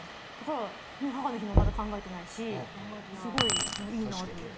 母の日もまだ考えてないしすごい、いいなと思って。